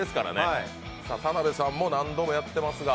田辺さんも何度もやっていますが？